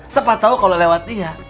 sepatau kalau lewat dia